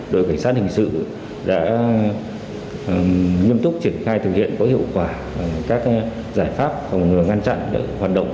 đội cảnh sát hình sự đã nghiêm túc triển khai thực hiện có hiệu quả các giải pháp phòng ngừa ngăn chặn hoạt động